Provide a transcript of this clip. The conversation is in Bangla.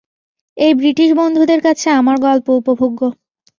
এই ব্রিটিশ বন্ধুদের কাছে আমার গল্প উপভোগ্য।